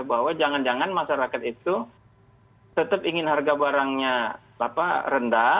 bahwa jangan jangan masyarakat itu tetap ingin harga barangnya rendah